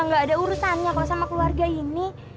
gak ada urusannya sama keluarga ini